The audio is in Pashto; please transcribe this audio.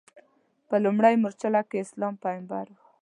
په لومړۍ مورچله کې اسلام پیغمبر و.